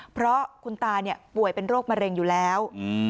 เพราะคุณตาป่วยเป็นโรคมะเร็งอยู่แล้ว